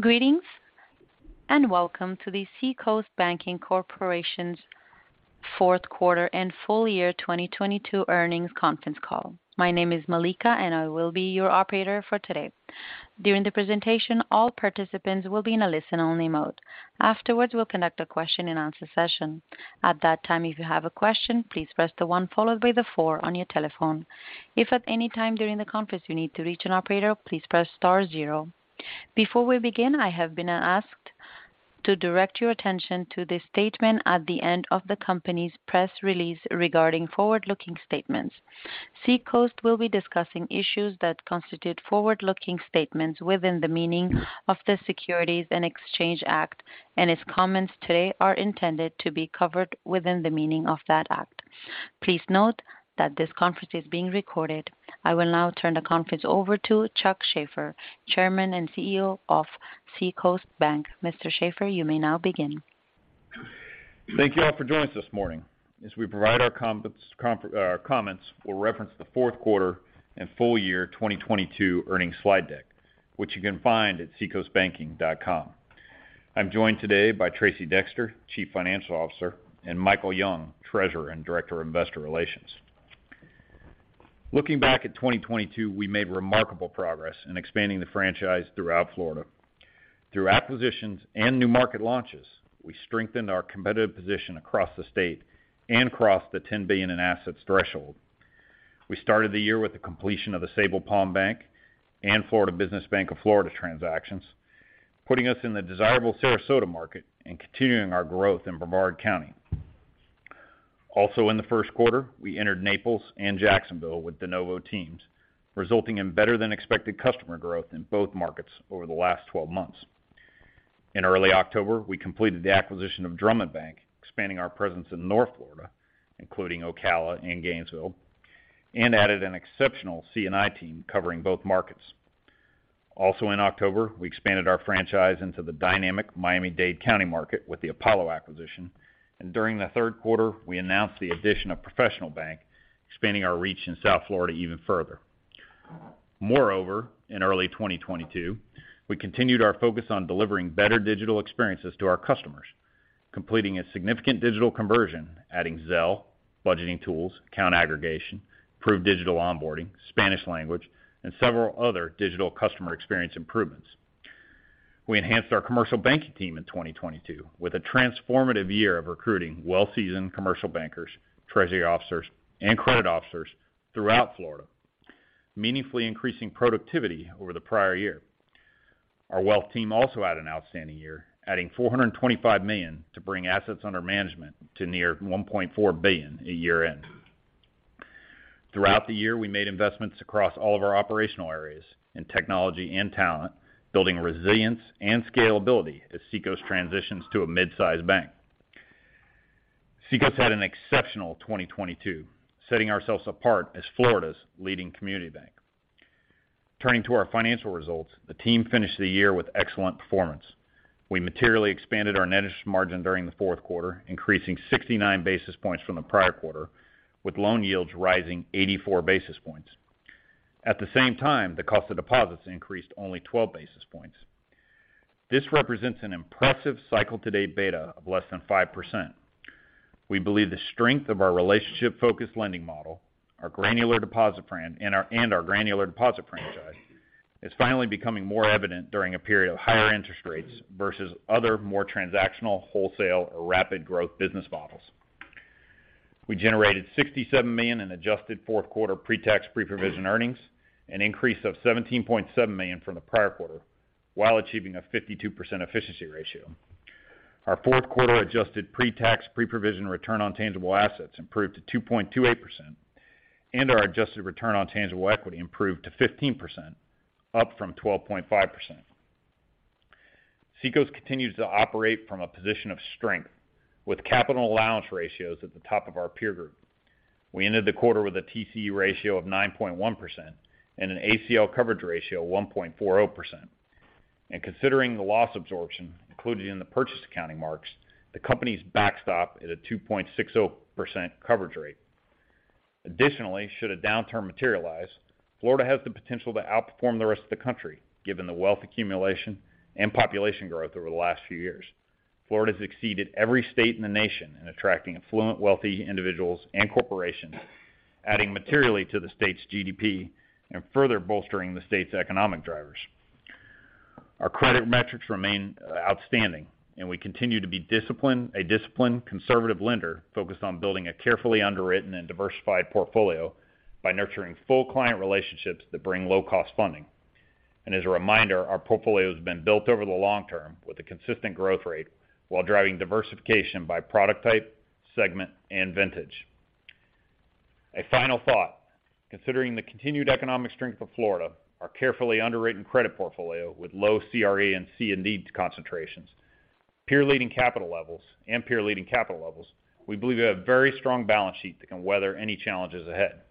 Greetings and welcome to the Seacoast Banking Corporation's fourth quarter and full year 2022 earnings conference call. My name is Malika. I will be your operator for today. During the presentation, all participants will be in a listen-only mode. Afterwards, we'll conduct a question-and-answer session. At that time, if you have a question, please press the one followed by the four on your telephone. If at any time during the conference you need to reach an operator, please press star zero. Before we begin, I have been asked to direct your attention to the statement at the end of the company's press release regarding forward-looking statements. Seacoast will be discussing issues that constitute forward-looking statements within the meaning of the Securities and Exchange Act. Its comments today are intended to be covered within the meaning of that act. Please note that this conference is being recorded. I will now turn the conference over to Chuck Shaffer, Chairman and CEO of Seacoast Bank. Mr. Shaffer, you may now begin. Thank you all for joining us this morning. As we provide our comments, we'll reference the fourth quarter and full year 2022 earnings slide deck, which you can find at seacoastbanking.com. I'm joined today by Tracey Dexter, Chief Financial Officer, and Michael Young, Treasurer and Director of Investor Relations. Looking back at 2022, we made remarkable progress in expanding the franchise throughout Florida. Through acquisitions and new market launches, we strengthened our competitive position across the state and crossed the $10 billion in assets threshold. We started the year with the completion of the Sabal Palm Bank and Florida Business Bank of Florida transactions, putting us in the desirable Sarasota market and continuing our growth in Brevard County. In the first quarter, we entered Naples and Jacksonville with de novo teams, resulting in better-than-expected customer growth in both markets over the last 12 months. In early October, we completed the acquisition of Drummond Bank, expanding our presence in North Florida, including Ocala and Gainesville, and added an exceptional C&I team covering both markets. Also in October, we expanded our franchise into the dynamic Miami-Dade County market with the Apollo acquisition. During the third quarter, we announced the addition of Professional Bank, expanding our reach in South Florida even further. Moreover, in early 2022, we continued our focus on delivering better digital experiences to our customers, completing a significant digital conversion, adding Zelle, budgeting tools, account aggregation, improved digital onboarding, Spanish language, and several other digital customer experience improvements. We enhanced our commercial banking team in 2022 with a transformative year of recruiting well-seasoned commercial bankers, treasury officers, and credit officers throughout Florida, meaningfully increasing productivity over the prior year. Our wealth team also had an outstanding year, adding $425 million to bring assets under management to near $1.4 billion at year-end. Throughout the year, we made investments across all of our operational areas in technology and talent, building resilience and scalability as Seacoast transitions to a mid-sized bank. Seacoast had an exceptional 2022, setting ourselves apart as Florida's leading community bank. Turning to our financial results, the team finished the year with excellent performance. We materially expanded our net interest margin during the fourth quarter, increasing 69 basis points from the prior quarter, with loan yields rising 84 basis points. At the same time, the cost of deposits increased only 12 basis points. This represents an impressive cycle-to-date beta of less than 5%. We believe the strength of our relationship-focused lending model, and our granular deposit franchise is finally becoming more evident during a period of higher interest rates versus other more transactional, wholesale or rapid growth business models. We generated $67 million in adjusted fourth quarter pre-tax, pre-provision earnings, an increase of $17.7 million from the prior quarter, while achieving a 52% efficiency ratio. Our fourth quarter adjusted pre-tax, pre-provision return on tangible assets improved to 2.28%, our adjusted return on tangible equity improved to 15%, up from 12.5%. Seacoast continues to operate from a position of strength with capital allowance ratios at the top of our peer group. We ended the quarter with a TCE ratio of 9.1% and an ACL coverage ratio of 1.40%. Considering the loss absorption included in the purchase accounting marks, the company's backstop at a 2.60% coverage rate. Should a downturn materialize, Florida has the potential to outperform the rest of the country, given the wealth accumulation and population growth over the last few years. Florida has exceeded every state in the nation in attracting affluent, wealthy individuals and corporations, adding materially to the state's GDP and further bolstering the state's economic drivers. Our credit metrics remain outstanding, and we continue to be a disciplined, conservative lender focused on building a carefully underwritten and diversified portfolio by nurturing full client relationships that bring low-cost funding. As a reminder, our portfolio has been built over the long term with a consistent growth rate while driving diversification by product type, segment, and vintage. A final thought, considering the continued economic strength of Florida, our carefully underrated credit portfolio with low CRA and C&D concentrations, peer-leading capital levels, we believe we have a very strong balance sheet that can weather any challenges ahead.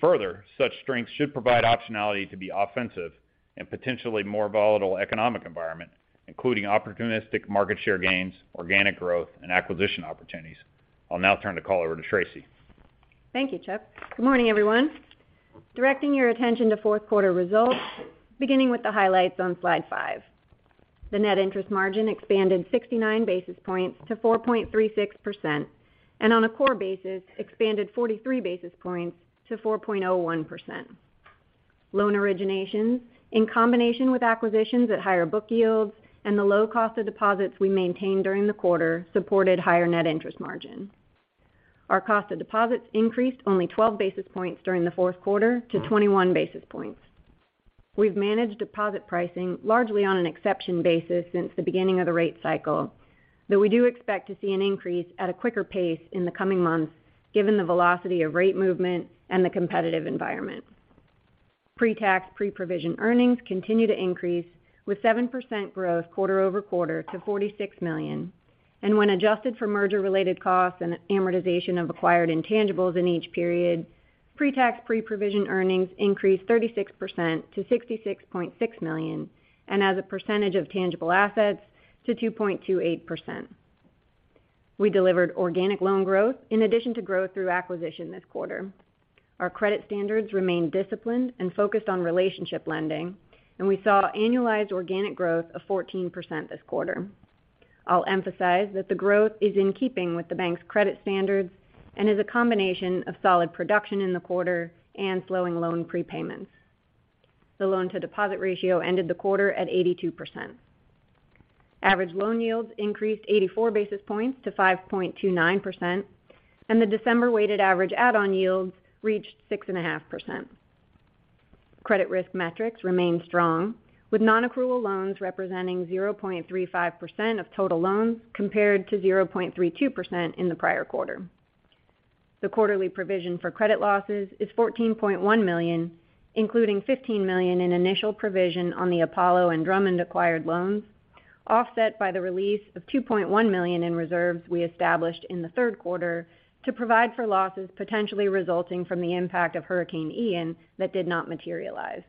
Further, such strength should provide optionality to be offensive in a potentially more volatile economic environment, including opportunistic market share gains, organic growth, and acquisition opportunities. I'll now turn the call over to Tracey. Thank you, Chuck. Good morning, everyone. Directing your attention to fourth quarter results, beginning with the highlights on slide five. The net interest margin expanded 69 basis points to 4.36%, and on a core basis expanded 43 basis points to 4.01%. Loan originations in combination with acquisitions at higher book yields and the low cost of deposits we maintained during the quarter supported higher net interest margin. Our cost of deposits increased only 12 basis points during the fourth quarter to 21 basis points. We've managed deposit pricing largely on an exception basis since the beginning of the rate cycle, though we do expect to see an increase at a quicker pace in the coming months given the velocity of rate movement and the competitive environment. Pre-tax, pre-provision earnings continue to increase with 7% growth quarter-over-quarter to $46 million. When adjusted for merger-related costs and amortization of acquired intangibles in each period, pre-tax, pre-provision earnings increased 36% to $66.6 million, and as a percentage of tangible assets to 2.28%. We delivered organic loan growth in addition to growth through acquisition this quarter. Our credit standards remain disciplined and focused on relationship lending, and we saw annualized organic growth of 14% this quarter. I'll emphasize that the growth is in keeping with the bank's credit standards and is a combination of solid production in the quarter and slowing loan prepayments. The loan to deposit ratio ended the quarter at 82%. Average loan yields increased 84 basis points to 5.29%, and the December weighted average add-on yields reached 6.5%. Credit risk metrics remained strong, with nonaccrual loans representing 0.35% of total loans, compared to 0.32% in the prior quarter. The quarterly provision for credit losses is $14.1 million, including $15 million in initial provision on the Apollo and Drummond acquired loans, offset by the release of $2.1 million in reserves we established in the third quarter to provide for losses potentially resulting from the impact of Hurricane Ian that did not materialize.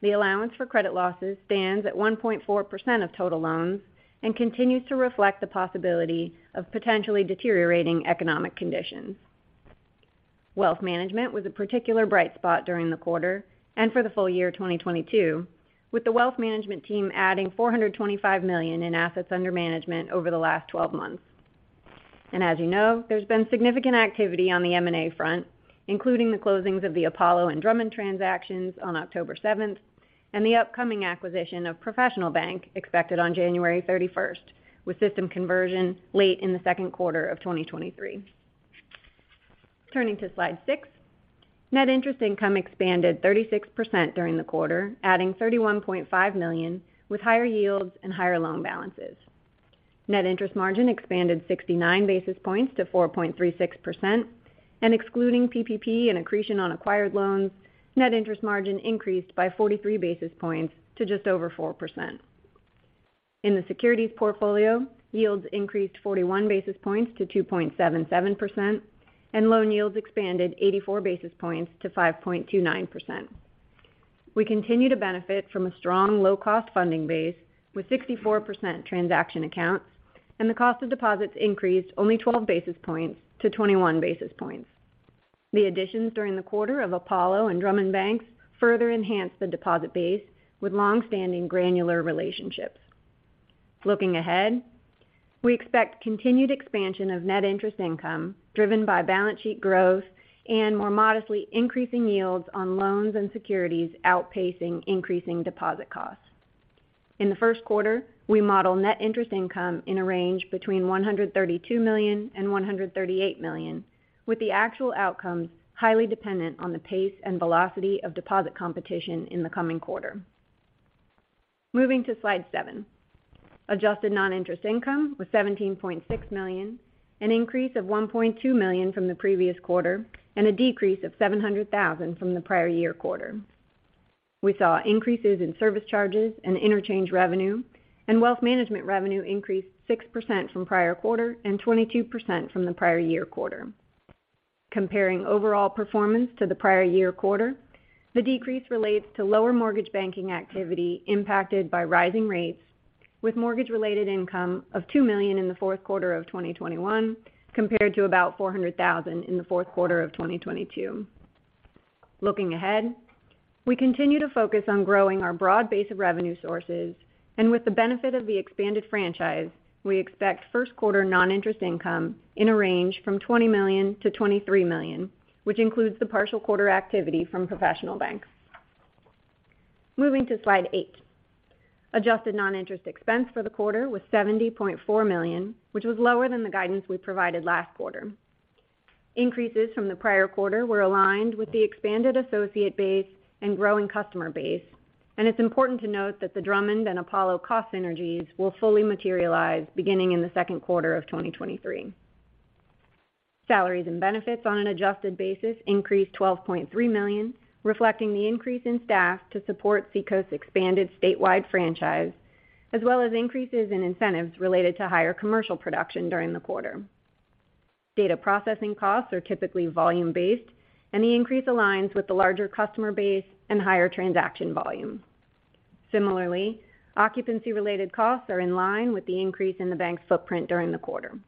The allowance for credit losses stands at 1.4% of total loans and continues to reflect the possibility of potentially deteriorating economic conditions. Wealth management was a particular bright spot during the quarter and for the full year 2022, with the wealth management team adding $425 million in assets under management over the last 12 months. As you know, there's been significant activity on the M&A front, including the closings of the Apollo and Drummond transactions on October 7th and the upcoming acquisition of Professional Bank expected on January 31st, with system conversion late in the second quarter of 2023. Turning to slide six. Net interest income expanded 36% during the quarter, adding $31.5 million, with higher yields and higher loan balances. Net interest margin expanded 69 basis points to 4.36%. Excluding PPP and accretion on acquired loans, net interest margin increased by 43 basis points to just over 4%. In the securities portfolio, yields increased 41 basis points to 2.77%, and loan yields expanded 84 basis points to 5.29%. We continue to benefit from a strong low cost funding base with 64% transaction accounts. The cost of deposits increased only 12 basis points to 21 basis points. The additions during the quarter of Apollo and Drummond Banks further enhanced the deposit base with long-standing granular relationships. Looking ahead, we expect continued expansion of net interest income driven by balance sheet growth and more modestly increasing yields on loans and securities outpacing increasing deposit costs. In the first quarter, we model net interest income in a range between $132 million and $138 million, with the actual outcomes highly dependent on the pace and velocity of deposit competition in the coming quarter. Moving to slide seven. Adjusted non-interest income was $17.6 million, an increase of $1.2 million from the previous quarter, and a decrease of $700,000 from the prior year quarter. We saw increases in service charges and interchange revenue, wealth management revenue increased 6% from prior quarter and 22% from the prior year quarter. Comparing overall performance to the prior year quarter, the decrease relates to lower mortgage banking activity impacted by rising rates with mortgage-related income of $2 million in the fourth quarter of 2021 compared to about $400,000 in the fourth quarter of 2022. Looking ahead, we continue to focus on growing our broad base of revenue sources, with the benefit of the expanded franchise, we expect first quarter non-interest income in a range from $20 million-$23 million, which includes the partial quarter activity from Professional Bank. Moving to slide eight. Adjusted non-interest expense for the quarter was $70.4 million, which was lower than the guidance we provided last quarter. Increases from the prior quarter were aligned with the expanded associate base and growing customer base. It's important to note that the Drummond and Apollo cost synergies will fully materialize beginning in 2Q 2023. Salaries and benefits on an adjusted basis increased $12.3 million, reflecting the increase in staff to support Seacoast Bank's expanded statewide franchise, as well as increases in incentives related to higher commercial production during the quarter. Data processing costs are typically volume-based, and the increase aligns with the larger customer base and higher transaction volume. Similarly, occupancy-related costs are in line with the increase in the bank's footprint during the quarter.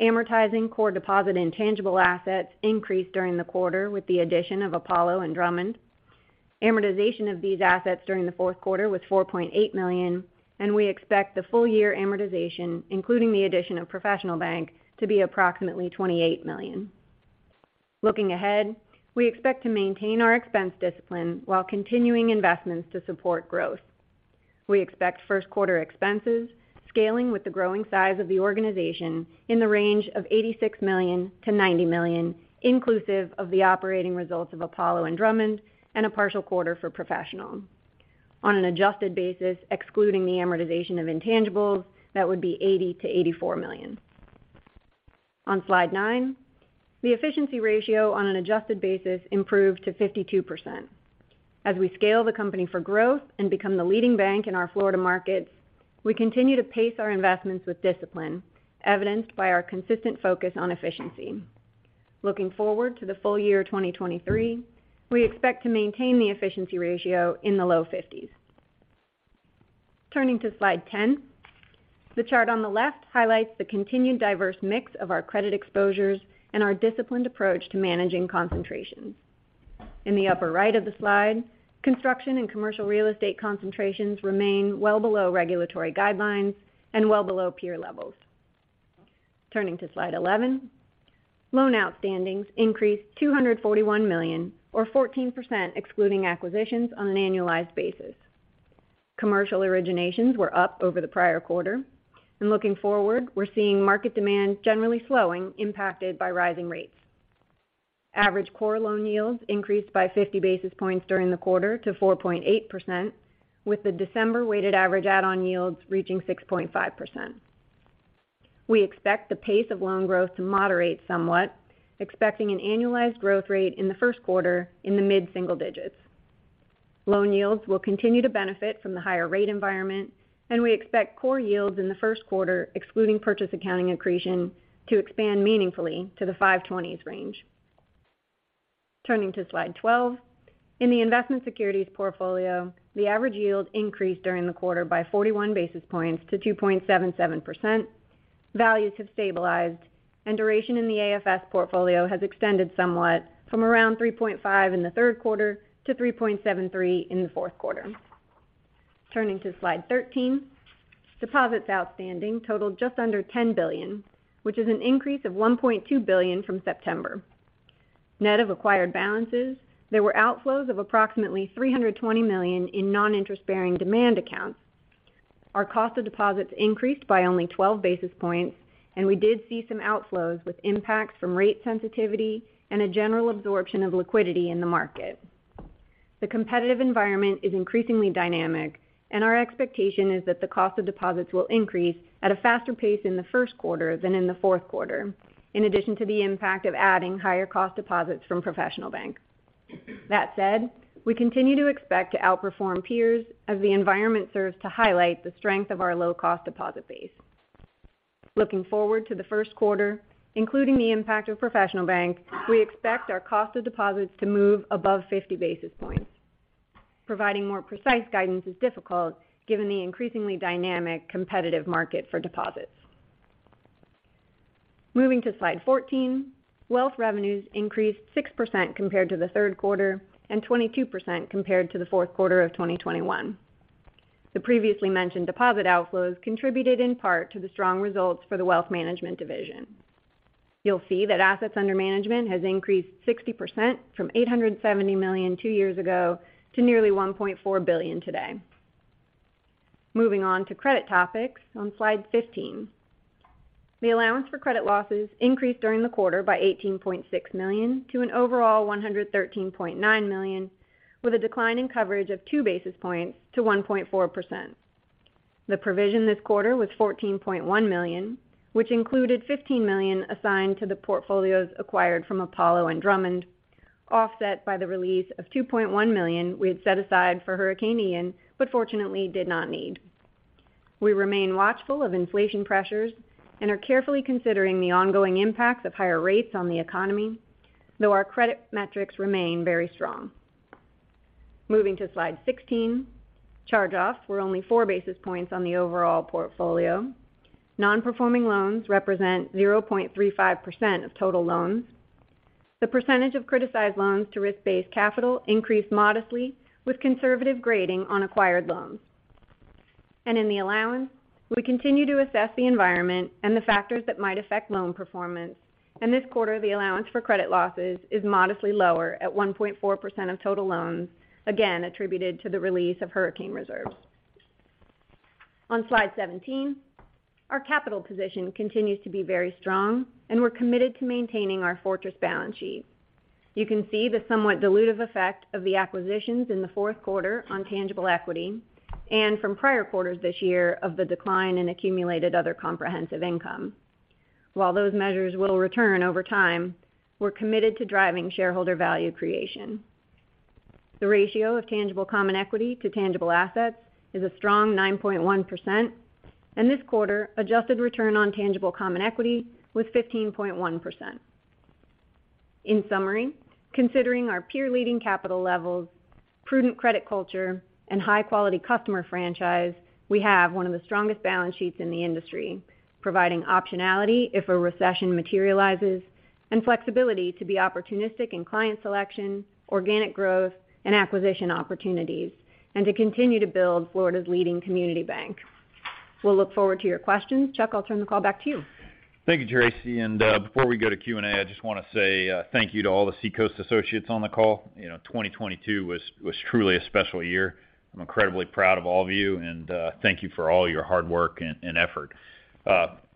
Amortizing core deposit intangible assets increased during the quarter with the addition of Apollo and Drummond. Amortization of these assets during the fourth quarter was $4.8 million. We expect the full year amortization, including the addition of Professional Bank, to be approximately $28 million. Looking ahead, we expect to maintain our expense discipline while continuing investments to support growth. We expect first quarter expenses scaling with the growing size of the organization in the range of $86 million-$90 million, inclusive of the operating results of Apollo and Drummond and a partial quarter for Professional. On an adjusted basis, excluding the amortization of intangibles, that would be $80 million-$84 million. On slide nine, the efficiency ratio on an adjusted basis improved to 52%. As we scale the company for growth and become the leading bank in our Florida markets, we continue to pace our investments with discipline, evidenced by our consistent focus on efficiency. Looking forward to the full year 2023, we expect to maintain the efficiency ratio in the low 50s. Turning to slide 10, the chart on the left highlights the continued diverse mix of our credit exposures and our disciplined approach to managing concentrations. In the upper right of the slide, construction and commercial real estate concentrations remain well below regulatory guidelines and well below peer levels. Turning to slide 11, loan outstandings increased $241 million or 14% excluding acquisitions on an annualized basis. Commercial originations were up over the prior quarter. Looking forward, we're seeing market demand generally slowing, impacted by rising rates. Average core loan yields increased by 50 basis points during the quarter to 4.8%, with the December weighted average add-on yields reaching 6.5%. We expect the pace of loan growth to moderate somewhat, expecting an annualized growth rate in the first quarter in the mid-single digits. Loan yields will continue to benefit from the higher rate environment, and we expect core yields in the first quarter, excluding purchase accounting accretion, to expand meaningfully to the 5.20s range. Turning to slide 12, in the investment securities portfolio, the average yield increased during the quarter by 41 basis points to 2.77%. Values have stabilized, and duration in the AFS portfolio has extended somewhat from around 3.5 in the third quarter to 3.73 in the fourth quarter. Turning to slide 13, deposits outstanding totaled just under $10 billion, which is an increase of $1.2 billion from September. Net of acquired balances, there were outflows of approximately $320 million in non-interest-bearing demand accounts. Our cost of deposits increased by only 12 basis points, and we did see some outflows with impacts from rate sensitivity and a general absorption of liquidity in the market. The competitive environment is increasingly dynamic, and our expectation is that the cost of deposits will increase at a faster pace in the first quarter than in the fourth quarter, in addition to the impact of adding higher cost deposits from Professional Bank. That said, we continue to expect to outperform peers as the environment serves to highlight the strength of our low cost deposit base. Looking forward to the first quarter, including the impact of Professional Bank, we expect our cost of deposits to move above 50 basis points. Providing more precise guidance is difficult given the increasingly dynamic competitive market for deposits. Moving to slide 14, wealth revenues increased 6% compared to the third quarter and 22% compared to the fourth quarter of 2021. The previously mentioned deposit outflows contributed in part to the strong results for the wealth management division. You'll see that assets under management has increased 60% from $870 million two years ago to nearly $1.4 billion today. Moving on to credit topics on slide 15. The allowance for credit losses increased during the quarter by $18.6 million to an overall $113.9 million, with a decline in coverage of 2 basis points to 1.4%. The provision this quarter was $14.1 million, which included $15 million assigned to the portfolios acquired from Apollo and Drummond, offset by the release of $2.1 million we had set aside for Hurricane Ian, fortunately did not need. We remain watchful of inflation pressures and are carefully considering the ongoing impacts of higher rates on the economy, though our credit metrics remain very strong. Moving to slide 16, charge-offs were only 4 basis points on the overall portfolio. Non-performing loans represent 0.35% of total loans. The percentage of criticized loans to risk-based capital increased modestly with conservative grading on acquired loans. In the allowance, we continue to assess the environment and the factors that might affect loan performance. This quarter, the allowance for credit losses is modestly lower at 1.4% of total loans, again attributed to the release of hurricane reserves. On slide 17, our capital position continues to be very strong, and we're committed to maintaining our fortress balance sheet. You can see the somewhat dilutive effect of the acquisitions in the fourth quarter on tangible equity and from prior quarters this year of the decline in accumulated other comprehensive income. Those measures will return over time, we're committed to driving shareholder value creation. The ratio of tangible common equity to tangible assets is a strong 9.1%, and this quarter, adjusted return on tangible common equity was 15.1%. In summary, considering our peer-leading capital levels, prudent credit culture, and high-quality customer franchise, we have one of the strongest balance sheets in the industry, providing optionality if a recession materializes and flexibility to be opportunistic in client selection, organic growth, and acquisition opportunities, and to continue to build Florida's leading community bank. We'll look forward to your questions. Chuck, I'll turn the call back to you. Thank you, Tracey. Before we go to Q&A, I just wanna say thank you to all the Seacoast associates on the call. You know, 2022 was truly a special year. I'm incredibly proud of all of you, thank you for all your hard work and effort.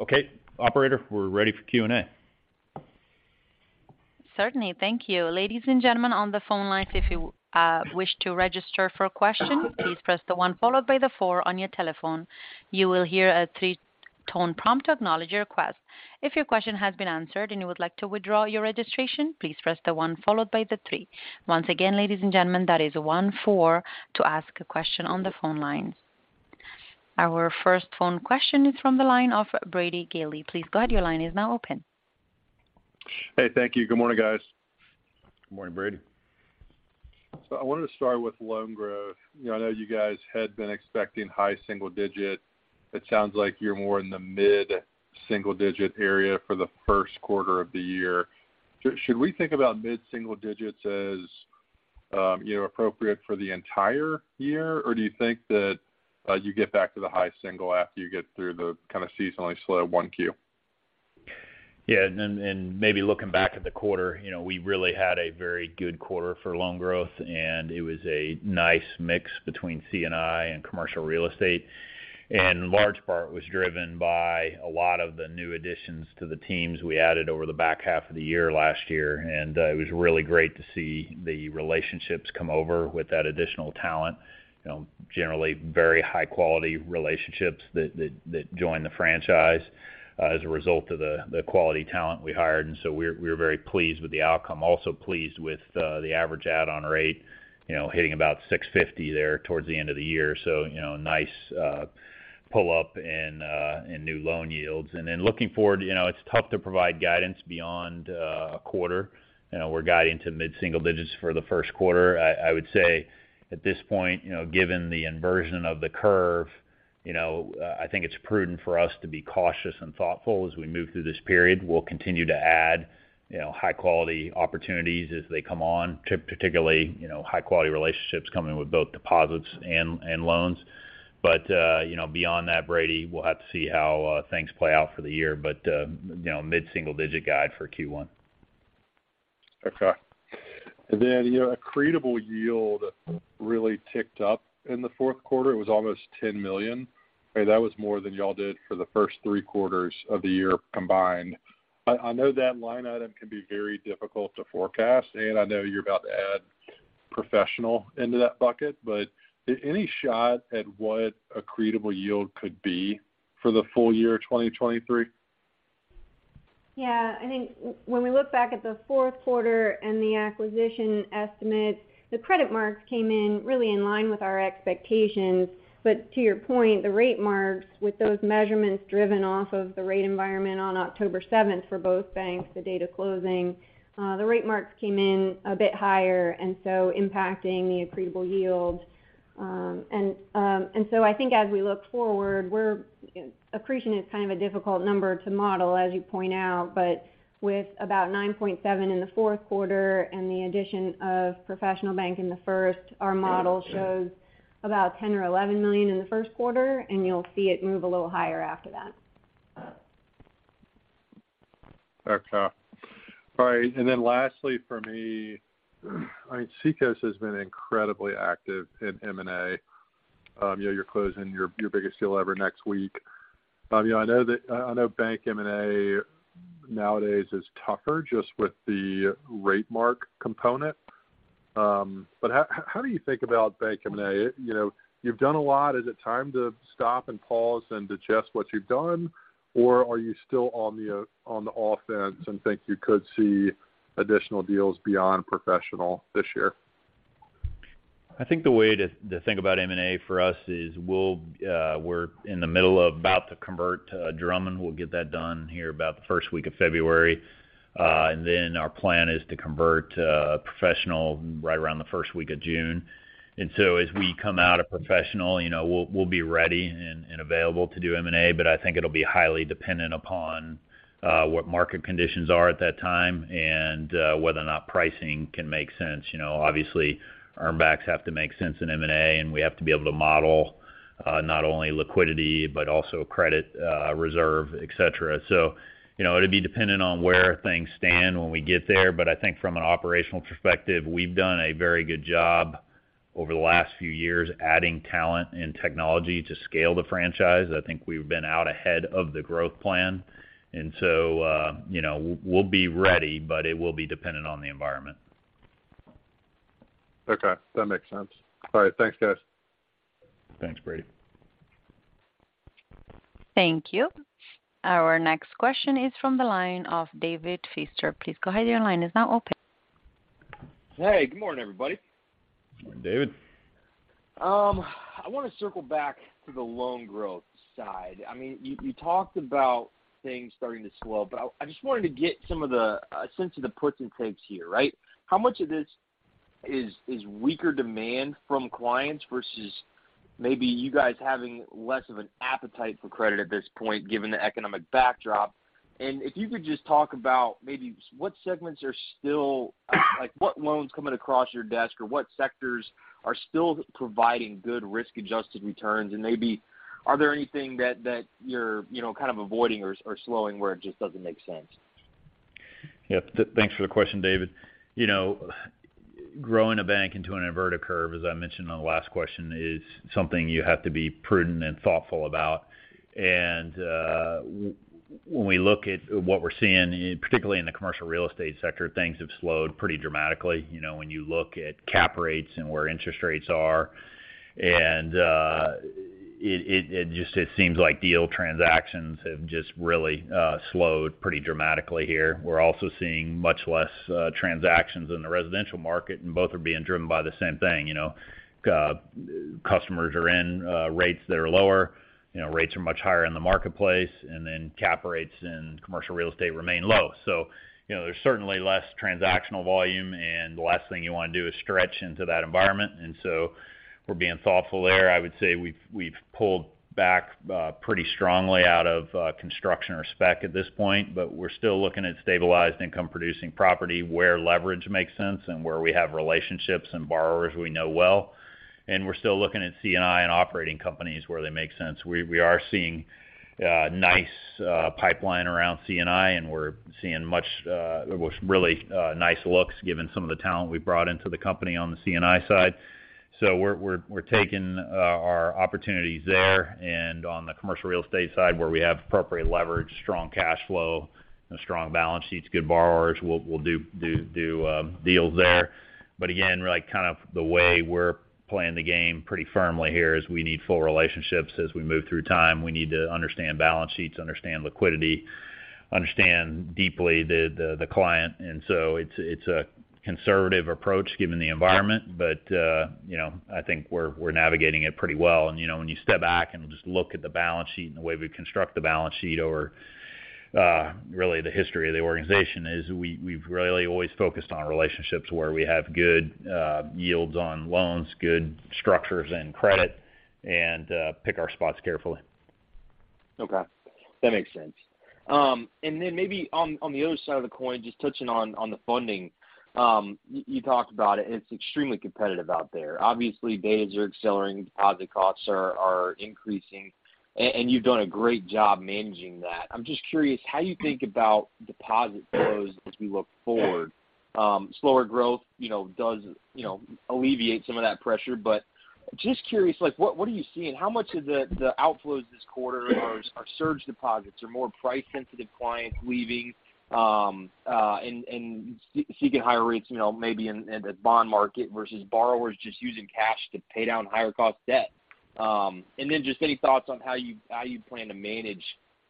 Okay. Operator, we're ready for Q&A. Certainly. Thank you. Ladies and gentlemen on the phone lines, if you wish to register for a question, please press the one followed by the four on your telephone. You will hear a three-tone prompt to acknowledge your request. If your question has been answered and you would like to withdraw your registration, please press the one followed by the three. Once again, ladies and gentlemen, that is one-four to ask a question on the phone lines. Our first phone question is from the line of Brady Gailey. Please go ahead, your line is now open. Hey, thank you. Good morning, guys. Good morning, Brady. I wanted to start with loan growth. You know, I know you guys had been expecting high single digit. It sounds like you're more in the mid-single digit area for the first quarter of the year. Should we think about mid-single digits as, you know, appropriate for the entire year? Do you think that you get back to the high single after you get through the kinda seasonally slow 1Q? Yeah. Maybe looking back at the quarter, you know, we really had a very good quarter for loan growth, and it was a nice mix between C&I and commercial real estate. Large part was driven by a lot of the new additions to the teams we added over the back half of the year last year. It was really great to see the relationships come over with that additional talent. You know, generally very high quality relationships that joined the franchise, as a result of the quality talent we hired. So we're very pleased with the outcome. Also pleased with the average add-on rate, you know, hitting about 6.50 there towards the end of the year. You know, nice pull up in new loan yields. Looking forward, you know, it's tough to provide guidance beyond a quarter. You know, we're guiding to mid-single digits for the first quarter. I would say at this point, you know, given the inversion of the curve, you know, I think it's prudent for us to be cautious and thoughtful as we move through this period. We'll continue to add, you know, high quality opportunities as they come on, particularly, you know, high quality relationships coming with both deposits and loans. Beyond that, Brady, we'll have to see how things play out for the year. Mid-single digit guide for Q1. Okay. You know, accretable yield really ticked up in the fourth quarter. It was almost $10 million. I mean, that was more than y'all did for the first three quarters of the year combined. I know that line item can be very difficult to forecast, and I know you're about to add Professional into that bucket, but any shot at what accretable yield could be for the full year 2023? I think when we look back at the fourth quarter and the acquisition estimate, the credit marks came in really in line with our expectations. To your point, the rate marks with those measurements driven off of the rate environment on October 7th for both banks, the date of closing, the rate marks came in a bit higher, and so impacting the accretable yield. I think as we look forward, Accretion is kind of a difficult number to model, as you point out. With about $9.7 million in the fourth quarter and the addition of Professional Bank in the first, our model shows about $10 million or $11 million in the first quarter, and you'll see it move a little higher after that. Okay. All right. Lastly for me, I mean, Seacoast has been incredibly active in M&A. You know, you're closing your biggest deal ever next week. You know, I know bank M&A nowadays is tougher just with the rate mark component. But how do you think about bank M&A? You know, you've done a lot. Is it time to stop and pause and digest what you've done? Or are you still on the offense and think you could see additional deals beyond Professional this year? I think the way to think about M&A for us is we're in the middle of about to convert Drummond. We'll get that done here about the first week of February. Our plan is to convert Professional right around the first week of June. As we come out of Professional, you know, we'll be ready and available to do M&A, but I think it'll be highly dependent upon what market conditions are at that time and whether or not pricing can make sense. You know, obviously, earnbacks have to make sense in M&A, and we have to be able to model not only liquidity, but also credit reserve, et cetera. You know, it'll be dependent on where things stand when we get there. I think from an operational perspective, we've done a very good job over the last few years adding talent and technology to scale the franchise. I think we've been out ahead of the growth plan. You know, we'll be ready, but it will be dependent on the environment. Okay. That makes sense. All right. Thanks, guys. Thanks, Brady. Thank you. Our next question is from the line of David Feaster. Please go ahead, your line is now open. Hey, good morning, everybody. Good morning, David. I want to circle back to the loan growth side. I mean, you talked about things starting to slow, but I just wanted to get a sense of the puts and takes here, right? How much of this is weaker demand from clients versus maybe you guys having less of an appetite for credit at this point, given the economic backdrop? If you could just talk about maybe what segments are still, like, what loans coming across your desk or what sectors are still providing good risk-adjusted returns. Maybe are there anything that you're, you know, kind of avoiding or slowing where it just doesn't make sense? Yep. Thanks for the question, David. You know, growing a bank into an inverted curve, as I mentioned on the last question, is something you have to be prudent and thoughtful about. When we look at what we're seeing, particularly in the commercial real estate sector, things have slowed pretty dramatically. You know, when you look at cap rates and where interest rates are, it just seems like deal transactions have just really slowed pretty dramatically here. We're also seeing much less transactions in the residential market, and both are being driven by the same thing. You know, customers are in rates that are lower. You know, rates are much higher in the marketplace, cap rates in commercial real estate remain low. You know, there's certainly less transactional volume, and the last thing you wanna do is stretch into that environment. We're being thoughtful there. I would say we've pulled back pretty strongly out of construction or spec at this point, but we're still looking at stabilized income producing property where leverage makes sense and where we have relationships and borrowers we know well. We're still looking at C&I and operating companies where they make sense. We are seeing nice pipeline around C&I, and we're seeing much, really, nice looks given some of the talent we brought into the company on the C&I side. We're taking our opportunities there. On the commercial real estate side where we have appropriate leverage, strong cash flow and strong balance sheets, good borrowers, we'll do deals there. Again, like, kind of the way we're playing the game pretty firmly here is we need full relationships as we move through time. We need to understand balance sheets, understand liquidity, understand deeply the client. So it's a conservative approach given the environment, but, you know, I think we're navigating it pretty well. You know, when you step back and just look at the balance sheet and the way we construct the balance sheet or really the history of the organization is we've really always focused on relationships where we have good yields on loans, good structures and credit, and pick our spots carefully. Okay. That makes sense. Maybe on the other side of the coin, just touching on the funding. You, you talked about it, and it's extremely competitive out there. Obviously, rates are accelerating, deposit costs are increasing, and you've done a great job managing that. I'm just curious how you think about deposit flows as we look forward. Slower growth, you know, does, you know, alleviate some of that pressure. Just curious, like, what are you seeing? How much of the outflows this quarter are surge deposits or more price-sensitive clients leaving, and seeking higher rates, you know, maybe in the bond market versus borrowers just using cash to pay down higher cost debt? Just any thoughts on how you plan to manage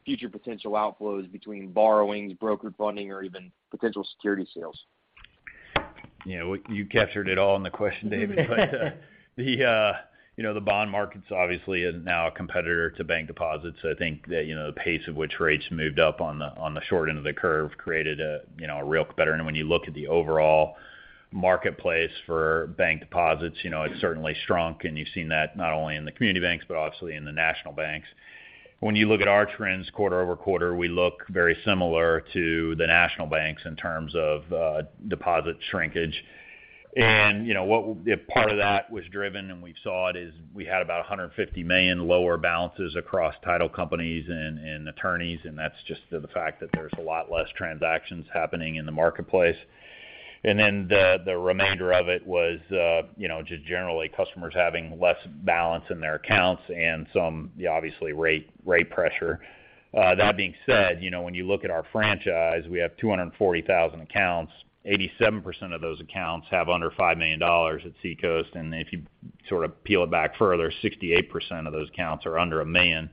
future potential outflows between borrowings, brokered funding or even potential security sales? You know, you captured it all in the question, David. The, you know, the bond market's obviously is now a competitor to bank deposits. I think that, you know, the pace at which rates moved up on the, on the short end of the curve created a, you know, a real competitor. When you look at the overall marketplace for bank deposits, you know, it's certainly shrunk. You've seen that not only in the community banks, but obviously in the national banks. When you look at our trends quarter-over-quarter, we look very similar to the national banks in terms of deposit shrinkage. You know, part of that was driven, and we saw it, is we had about $150 million lower balances across title companies and attorneys, and that's just the fact that there's a lot less transactions happening in the marketplace. The remainder of it was, you know, just generally customers having less balance in their accounts and some obviously rate pressure. That being said, you know, when you look at our franchise, we have 240,000 accounts. 87% of those accounts have under $5 million at Seacoast. If you sort of peel it back further, 68% of those accounts are under $1 million.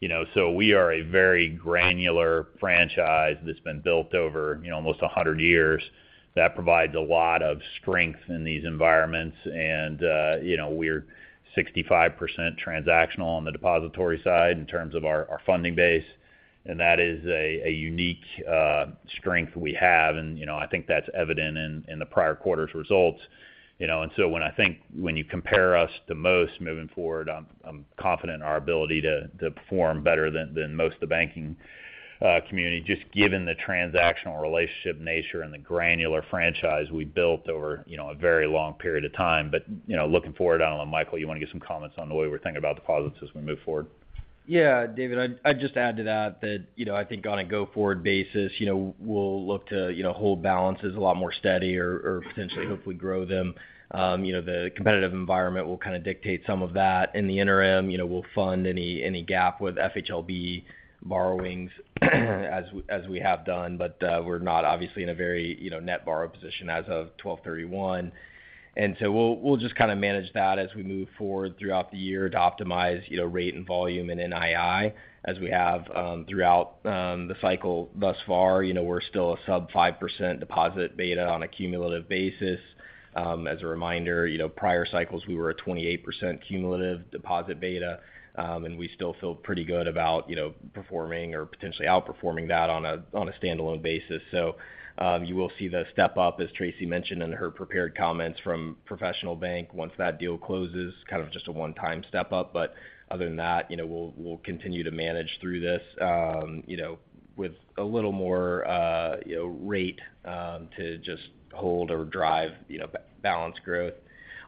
You know, we are a very granular franchise that's been built over, you know, almost 100 years that provides a lot of strength in these environments. You know, we're 65% transactional on the depository side in terms of our funding base, and that is a unique strength we have. You know, I think that's evident in the prior quarter's results. You know, when I think when you compare us to most moving forward, I'm confident in our ability to perform better than most of the banking community, just given the transactional relationship nature and the granular franchise we built over, you know, a very long period of time. You know, looking forward, I don't know, Michael, you wanna give some comments on the way we're thinking about deposits as we move forward? Yeah, David, I'd just add to that, you know, I think on a go-forward basis, you know, we'll look to, you know, hold balances a lot more steady or potentially hopefully grow them. You know, the competitive environment will kind of dictate some of that. In the interim, you know, we'll fund any gap with FHLB borrowings as we have done. We're not obviously in a very, you know, net borrow position as of 12/31. We'll just kinda manage that as we move forward throughout the year to optimize, you know, rate and volume in NII as we have throughout the cycle thus far. You know, we're still a sub 5% deposit beta on a cumulative basis. As a reminder, you know, prior cycles, we were at 28% cumulative deposit beta, and we still feel pretty good about, you know, performing or potentially outperforming that on a standalone basis. You will see the step up, as Tracey mentioned in her prepared comments, from Professional Bank once that deal closes, kind of just a one-time step up. Other than that, you know, we'll continue to manage through this, you know, with a little more, you know, rate to just hold or drive, you know, balance growth.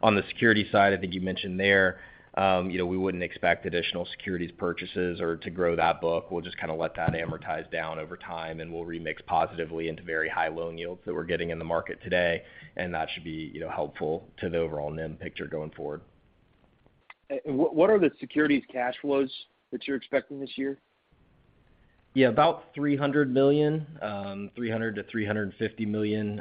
On the securities side, I think you mentioned there, you know, we wouldn't expect additional securities purchases or to grow that book. We'll just kind of let that amortize down over time, and we'll remix positively into very high loan yields that we're getting in the market today. That should be, you know, helpful to the overall NIM picture going forward. What are the securities cash flows that you're expecting this year? Yeah. About $300 million, $300 million-$350 million.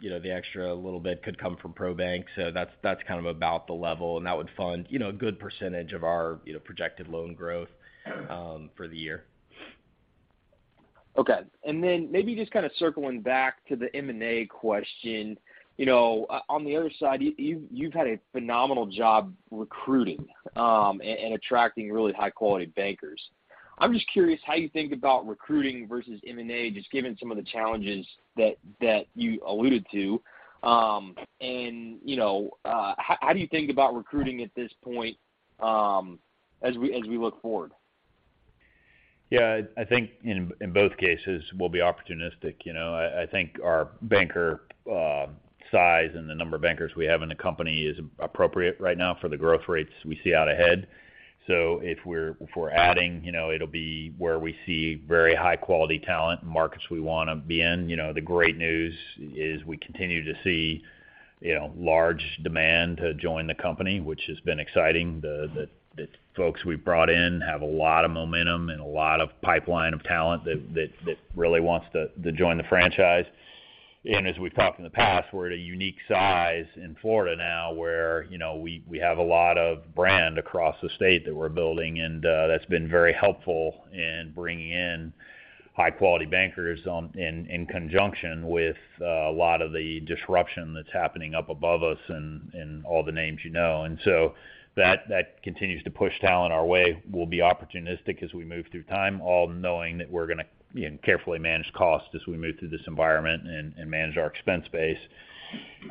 You know, the extra little bit could come from ProBank, that's kind of about the level. That would fund, you know, a good percentage of our, you know, projected loan growth for the year. Okay. Maybe just kind of circling back to the M&A question. You know, on the other side, you've had a phenomenal job recruiting and attracting really high-quality bankers. I'm just curious how you think about recruiting versus M&A, just given some of the challenges that you alluded to. You know, how do you think about recruiting at this point as we look forward? Yeah. I think in both cases, we'll be opportunistic. You know, I think our banker size and the number of bankers we have in the company is appropriate right now for the growth rates we see out ahead. If we're adding, you know, it'll be where we see very high-quality talent in markets we wanna be in. You know, the great news is we continue to see, you know, large demand to join the company, which has been exciting. The folks we've brought in have a lot of momentum and a lot of pipeline of talent that really wants to join the franchise. As we've talked in the past, we're at a unique size in Florida now, where, you know, we have a lot of brand across the state that we're building, that's been very helpful in bringing in high-quality bankers on, in conjunction with a lot of the disruption that's happening up above us in all the names you know. So that continues to push talent our way. We'll be opportunistic as we move through time, all knowing that we're gonna, you know, carefully manage costs as we move through this environment and manage our expense base.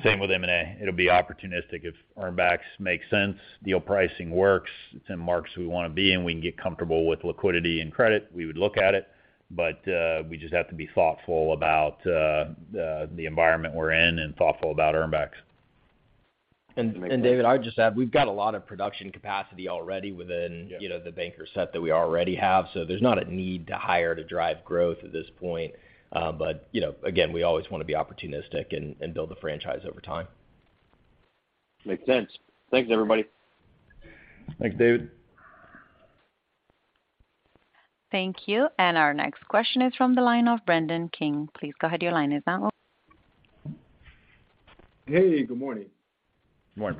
Same with M&A. It'll be opportunistic. If earn-backs make sense, deal pricing works, it's in marks we wanna be, and we can get comfortable with liquidity and credit, we would look at it. We just have to be thoughtful about the environment we're in and thoughtful about earn-backs. David, I'd just add, we've got a lot of production capacity already within- Yeah. you know, the banker set that we already have. There's not a need to hire to drive growth at this point. You know, again, we always wanna be opportunistic and build the franchise over time. Makes sense. Thanks, everybody. Thanks, David. Thank you. Our next question is from the line of Brandon King. Please go ahead. Your line is now open. Hey, good morning. Good morning,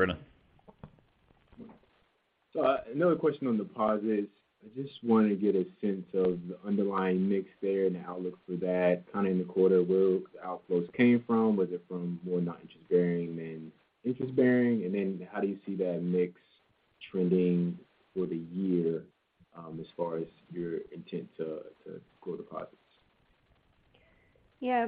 Brandon. Another question on deposits. I just wanna get a sense of the underlying mix there and the outlook for that kinda in the quarter, where outflows came from. Was it from more non-interest bearing than interest-bearing? How do you see that mix trending for the year, as far as your intent to grow deposits?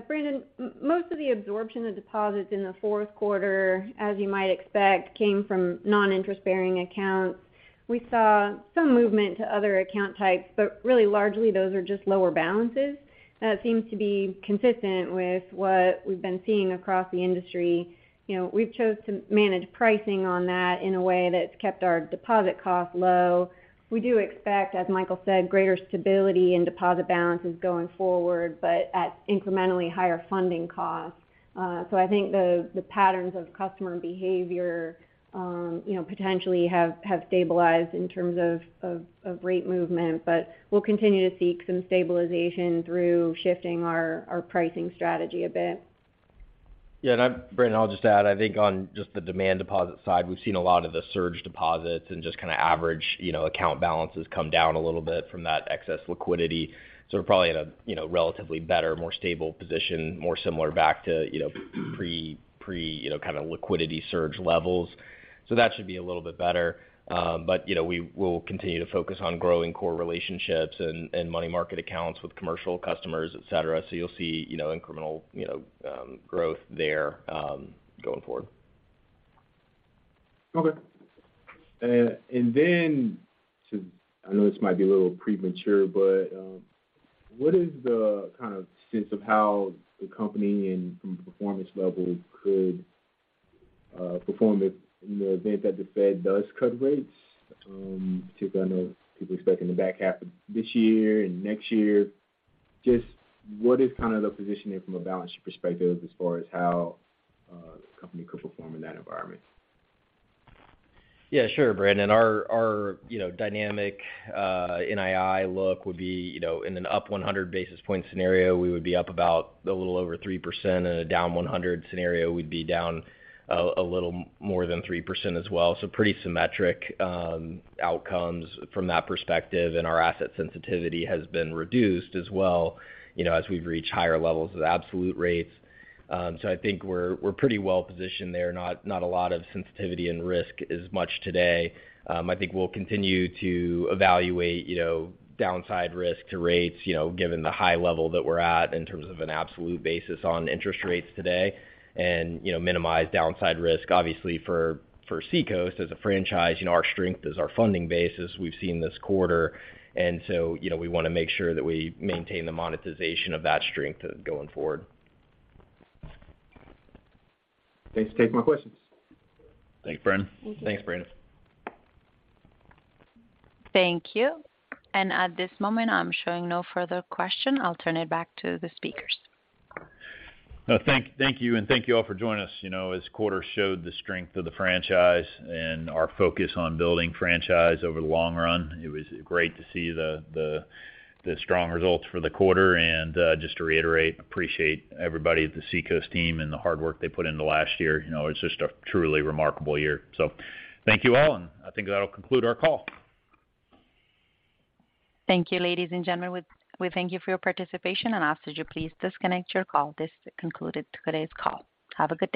Brandon, most of the absorption of deposits in the fourth quarter, as you might expect, came from non-interest-bearing accounts. We saw some movement to other account types, but really largely those are just lower balances. That seems to be consistent with what we've been seeing across the industry. You know, we've chose to manage pricing on that in a way that's kept our deposit costs low. We do expect, as Michael said, greater stability in deposit balances going forward, but at incrementally higher funding costs. I think the patterns of customer behavior, you know, potentially have stabilized in terms of rate movement. We'll continue to seek some stabilization through shifting our pricing strategy a bit. Brandon, I'll just add, I think on just the demand deposit side, we've seen a lot of the surge deposits and just kind of average, you know, account balances come down a little bit from that excess liquidity. We're probably at a, you know, relatively better, more stable position, more similar back to, you know, pre kind of liquidity surge levels. That should be a little bit better. You know, we will continue to focus on growing core relationships and money market accounts with commercial customers, et cetera. You'll see, you know, incremental, you know, growth there going forward. Okay. I know this might be a little premature, but, what is the kind of sense of how the company and from a performance level could perform if, in the event that the Fed does cut rates, particularly I know people are expecting the back half of this year and next year. Just what is kind of the positioning from a balance sheet perspective as far as how the company could perform in that environment? Sure, Brandon. Our, you know, dynamic NII look would be, you know, in an up 100 basis point scenario, we would be up about a little over 3%. In a down 100 scenario, we'd be down a little more than 3% as well. Pretty symmetric outcomes from that perspective, and our asset sensitivity has been reduced as well, you know, as we've reached higher levels of absolute rates. I think we're pretty well positioned there. Not a lot of sensitivity and risk as much today. I think we'll continue to evaluate, you know, downside risk to rates, you know, given the high level that we're at in terms of an absolute basis on interest rates today and, you know, minimize downside risk. Obviously for Seacoast as a franchise, you know, our strength is our funding basis we've seen this quarter. You know, we wanna make sure that we maintain the monetization of that strength going forward. Thanks. That's my questions. Thanks, Brandon. Thank you. Thanks, Brandon. Thank you. At this moment, I'm showing no further question. I'll turn it back to the speakers. No, thank you, and thank you all for joining us. You know, this quarter showed the strength of the franchise and our focus on building franchise over the long run. It was great to see the strong results for the quarter. Just to reiterate, appreciate everybody at the Seacoast team and the hard work they put in the last year. You know, it's just a truly remarkable year. Thank you all, and I think that'll conclude our call. Thank you, ladies and gentlemen. We thank you for your participation and ask that you please disconnect your call. This concludes today's call. Have a good day.